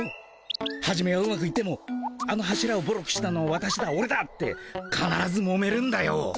はじめはうまくいってもあの柱をボロくしたのはわたしだオレだってかならずもめるんだよ。